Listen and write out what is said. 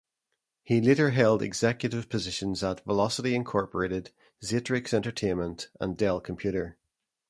He later held executive positions at Velocity Incorporated, Xatrix Entertainment, and Dell Computer.